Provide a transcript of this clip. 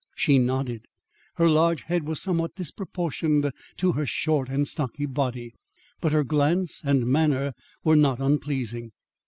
She nodded. Her large head was somewhat disproportioned to her short and stocky body. But her glance and manner were not unpleasing.